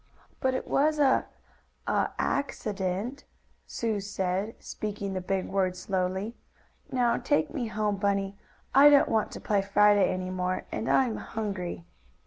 "But it was a a accident," Sue said, speaking the big word slowly. "Now take me home, Bunny. I don't want to play Friday any more, and I'm hungry."